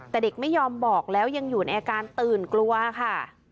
แต่เด็กไม่ยอมบอกแล้วยังอยู่ในอาการตื่นกลัวค่ะ